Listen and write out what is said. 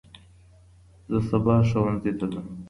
زه سباه ښوونځي ته ځم.